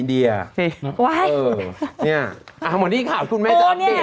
เนี่ยอาหารมณีข่าวคุณแม่จะอัปเดตนี่ไง